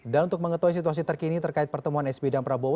dan untuk mengetahui situasi terkini terkait pertemuan sby dan prabowo